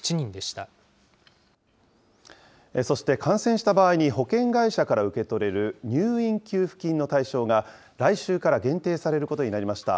そして、感染した場合に保険会社から受け取れる、入院給付金の対象が、来週から限定されることになりました。